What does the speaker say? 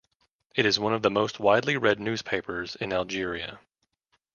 It is one of the most widely read newspapers in Algeria.